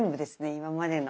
今までの。